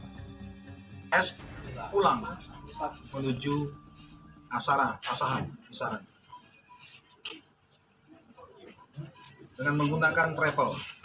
s pulang menuju asara asahan dengan menggunakan travel